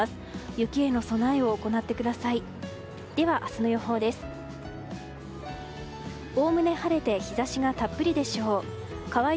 雪への備えを行ってください。